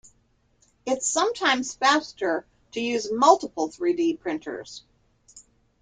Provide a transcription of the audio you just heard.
It's sometimes faster to use multiple three-d printers.